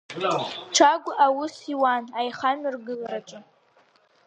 Чагә аус иуан аихамҩаргылараҿ.